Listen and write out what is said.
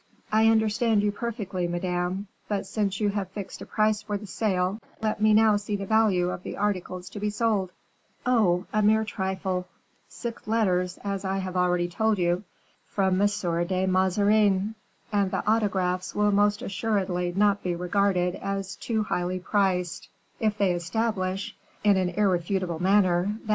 "I understand you perfectly, madame. But since you have fixed a price for the sale, let me now see the value of the articles to be sold." "Oh, a mere trifle; six letters, as I have already told you, from M. de Mazarin; and the autographs will most assuredly not be regarded as too highly priced, if they establish, in an irrefutable manner, that M.